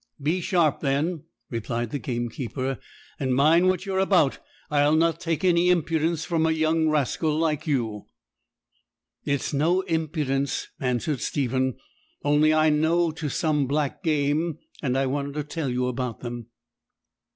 'Be sharp, then,' replied the gamekeeper, 'and mind what you're about. I'll not take any impudence from a young rascal like you.' 'It's no impudence,' answered Stephen; 'only I know to some black game, and I wanted to tell you about them.'